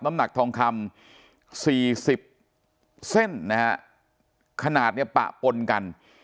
น้ำหนักทองคำสี่สิบเส้นนะฮะขนาดเนี่ยปะปนกัน